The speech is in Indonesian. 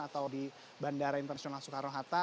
atau di bandara internasional soekarno hatta